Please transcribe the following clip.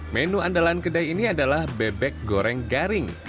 menu andalan kedai ini adalah bebek goreng garing